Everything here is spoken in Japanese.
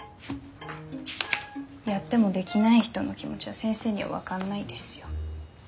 やってもできない人の気持ちは先生には分かんないですよ。